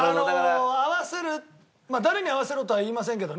合わせる誰に合わせろとは言いませんけどね。